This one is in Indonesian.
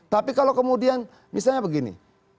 tapi kalau kemudian misalnya begini